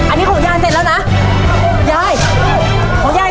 อันนี้ของย่ายเสร็จแล้วนะย่าย